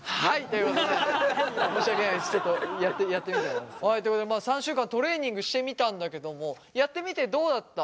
ということで３週間トレーニングしてみたんだけどもやってみてどうだった？